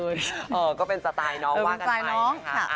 ก็เป็นสไตล์น้องว่ากันไปนะคะ